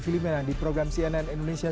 filimena di program cnn indonesia